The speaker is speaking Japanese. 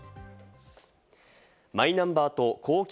マイナンバーと公金